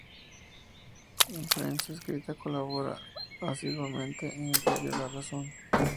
En prensa escrita, colabora asiduamente con el diario "La Razón".